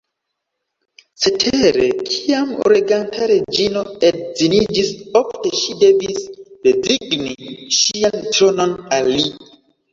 Cetere, kiam reganta reĝino edziniĝis, ofte ŝi devis rezigni ŝian tronon al li.